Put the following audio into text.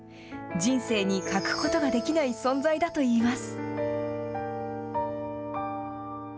人生に欠くことができない存在だといいます。